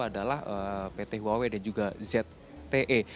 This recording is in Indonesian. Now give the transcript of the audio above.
adalah pt huawe dan juga zte